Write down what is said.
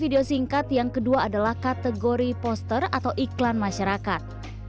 video singkat yang kedua adalah kategori poster atau iklan masyarakat